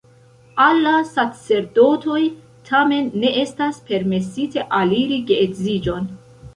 Al la sacerdotoj, tamen, ne estas permesite aliri geedziĝon.